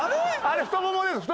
あれ太ももです。